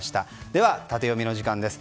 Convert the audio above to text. ではタテヨミの時間です。